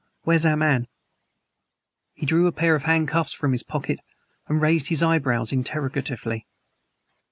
Where's our man?" He drew a pair of handcuffs from his pocket and raised his eyebrows interrogatively.